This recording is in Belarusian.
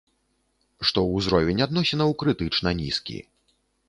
Што ўзровень адносінаў крытычна нізкі.